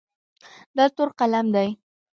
دا تور قلم دی.